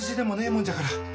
もんじゃから。